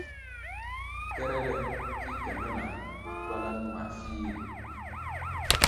Kerere ki ke me na nkywala numa fih ri.